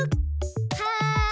はい！